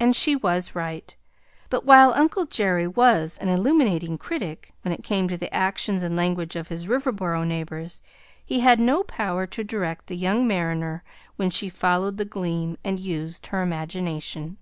And she was right; but while Uncle Jerry was an illuminating critic when it came to the actions and language of his Riverboro neighbors, he had no power to direct the young mariner when she "followed the gleam," and used her imagination.